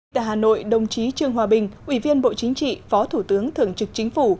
tại hà nội đồng chí trương hòa bình ủy viên bộ chính trị phó thủ tướng thường trực chính phủ